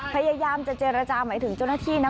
พยายามจะเจรจาหมายถึงเจ้าหน้าที่นะ